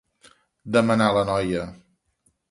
Demanà la noia.